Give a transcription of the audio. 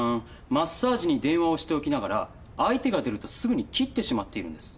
マッサージに電話をしておきながら相手が出るとすぐに切ってしまっているんです。